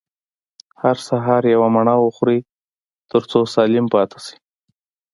هر سهار يوه مڼه وخورئ، تر څو سالم پاته سئ.